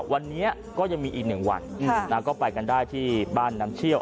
วันนี้ก็ยังมีอีก๑วันก็ไปกันได้ที่บ้านน้ำเชี่ยว